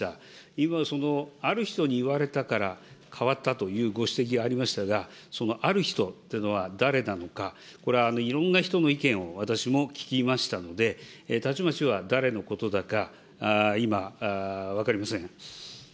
今、そのある人に言われたから、変わったというご指摘がありましたが、そのある人っていうのは誰なのか、これはいろんな人の意見を私も聞きましたので、たちまちは誰のことなのか、今、分かりません。